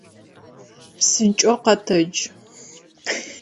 Псынкӏэу къэтэдж!